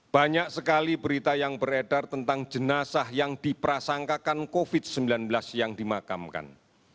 banyak sekali berita yang beredar tentang jenazah yang diprasangkakan covid sembilan belas yang dimakamkan